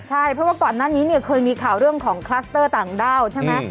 ใช่เพราะว่าก่อนหน้านี้เนี่ยเคยมีข่าวเรื่องของคลัสเตอร์ต่างด้าวใช่ไหม